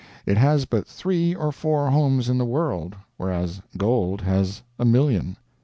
It has but three or four homes in the world, whereas gold has a million.